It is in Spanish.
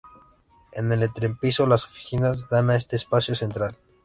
En el entrepiso, las oficinas dan a este espacio central.